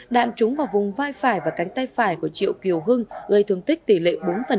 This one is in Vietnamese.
đạn trúng vào vùng vai phải và cánh tay phải của triệu kiều hưng gây thương tích tỷ lệ bốn